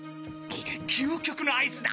究極のアイスだ。